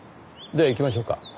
では行きましょうか。